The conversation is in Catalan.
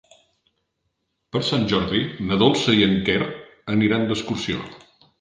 Per Sant Jordi na Dolça i en Quer aniran d'excursió.